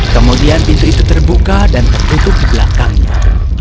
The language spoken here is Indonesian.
kemudian pintu itu terbuka dan tertutup di belakangnya